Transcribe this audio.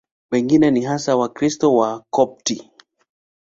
Wengine ni hasa Wakristo Wakopti.